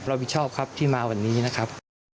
รับผิดชอบครับที่มาวันนี้นะครับ